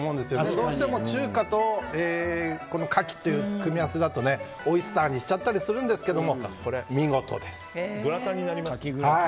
どうしても中華とカキという組み合わせだとオイスターにしちゃったりするんですけど、見事ですね。